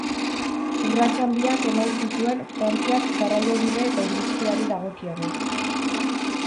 Urrats handiak eman zituen Frantziak garraiobide eta industriari dagokionez.